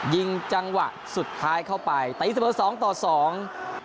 ยิงจังหวะสุดท้ายเข้าไปตีเสมอสองต่อสอง